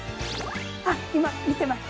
あっ今見てました。